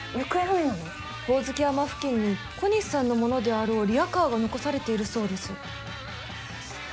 ホオズキ山付近に小西さんのものであろうリアカーが残されているそうです。